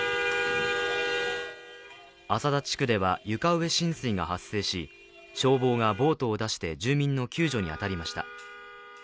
朝田地区では床上浸水が発生し、消防がボートを出して住民の救助に当たりました。